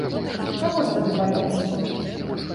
Чаго ж тады баяцца?